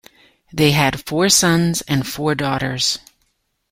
They had four sons and four daughters.